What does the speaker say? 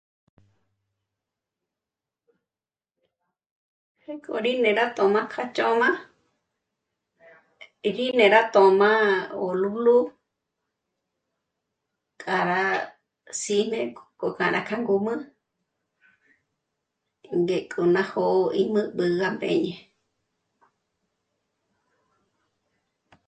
Pjéko rí né'e rá tjö̌ma k'a chö̌ma, gí né'e rá tö̌ma ólúlu k'á rá sí'ne gó k'a rá k'a ngǔmü ngéko ná jo'o í më'b'ü gá mbéñe